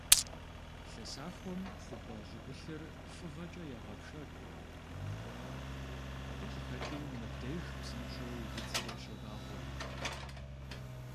Лъэсахуэм хъупӀэ щӀыгулъыр фыгъэкӀэ егъэпшэр, абы къыхэкӀыу мыбдеж псынщӀэу удзыр щобагъуэ.